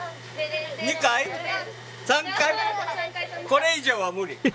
これ以上は無理。